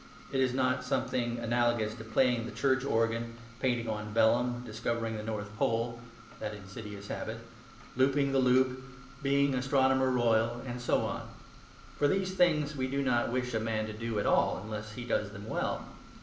It is not something analogous to playing the church organ, painting on vellum, discovering the North Pole (that insidious habit), looping the loop, being Astronomer Royal, and so on. For these things we do not wish a man to do at all unless he does them well.